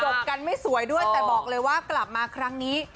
กันไม่สวยด้วยแต่บอกเลยว่ากลับมาครั้งนี้